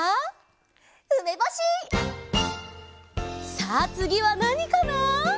さあつぎはなにかな？